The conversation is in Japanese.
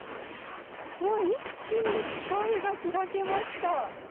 一気に視界が開けました！